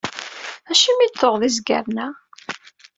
Acimi i d-tuɣeḍ izgaren-a?